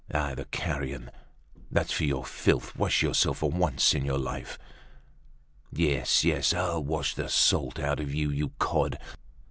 "Ah! the carrion! That's for your filth. Wash yourself for once in your life." "Yes, yes, I'll wash the salt out of you, you cod!"